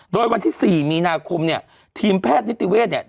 โดยวันที่๔มีนาคมเนี่ยทีมแพทย์นิติเวศเนี่ย